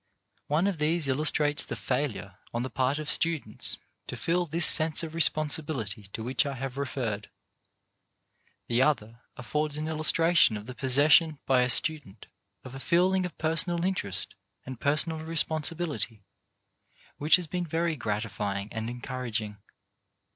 One of these illustrates the failure on the part of students to feel this sense of responsibility to which I have referred. The other affords an illustration of the possession by a student of a feeling of personal interest and personal responsibility which has been very gratifying and encouraging.